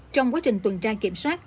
trong quá trình tuần tra kiểm soát